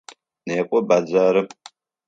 Некӏо бэдзэрым!